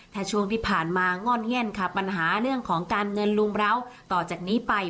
ถ้าช่วงที่ผ่านมาง่อนเงี่ยนค่ะปัญหาเรื่องของการเงินลุมร้าวต่อจากนี้ไป